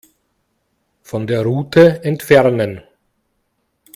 Von der Route entfernen.